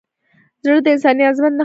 زړه د انساني عظمت نښه ده.